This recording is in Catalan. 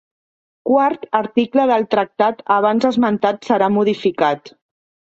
Quart article del tractat abans esmentat serà modificat.